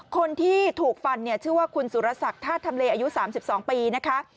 คนที่ถูกฟันเนี่ยชื่อว่าคุณสุรสักธาตุทำเลอายุ๓๒ปีนะคะ